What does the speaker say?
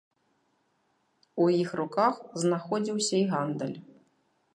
У іх руках знаходзіўся і гандаль.